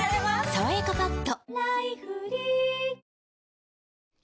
「さわやかパッド」